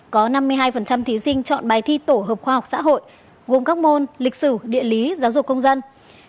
có năm mươi hai thí sinh chọn bài thi tổ hợp khoa học xã hội gồm các môn lịch sử địa lý giáo dục công dân